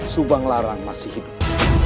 subang larang masih hidup